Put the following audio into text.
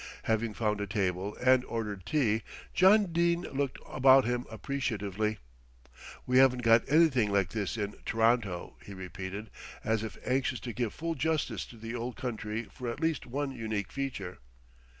Having found a table and ordered tea, John Dene looked about him appreciatively. "We haven't got anything like this in T'ronto," he repeated, as if anxious to give full justice to the old country for at least one unique feature.